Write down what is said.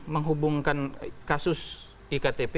menghubungkan kasus iktp